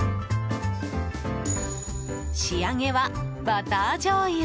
仕上げは、バターじょうゆ。